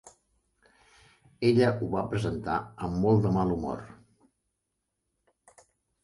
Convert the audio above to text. Ella ho va presentar amb molt de mal humor.